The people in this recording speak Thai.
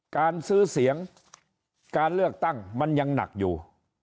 การซื้อเสียงการเลือกตั้งมันยังหนักอยู่